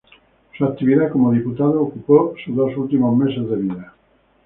Su actividad como diputado ocupó sus dos últimos meses de vida.